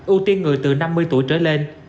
ưu tiên người từ năm mươi tuổi trở lên